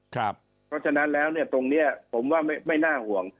ครับเพราะฉะนั้นแล้วเนี่ยตรงเนี้ยผมว่าไม่ไม่น่าห่วง